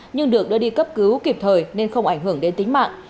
nhưng được đưa đi cấp cứu kịp thời nên không ảnh hưởng đến tính mạng